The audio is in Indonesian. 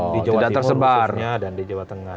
di jawa timur khususnya dan di jawa tengah